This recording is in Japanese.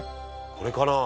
「これかなあ？」